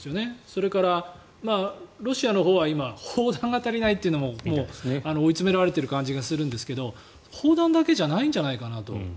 それからロシアのほうは今、砲弾が足りないというのも追い詰められてる感じがするんですが砲弾だけじゃないんじゃないかなと。